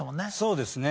そうですね。